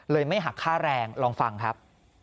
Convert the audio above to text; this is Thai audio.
ไม่หักค่าแรงลองฟังครับ